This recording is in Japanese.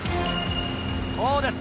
そうです